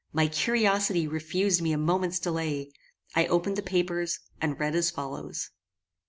My curiosity refused me a moment's delay. I opened the papers, and read as follows.